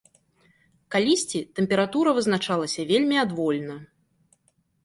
Калісьці тэмпература вызначалася вельмі адвольна.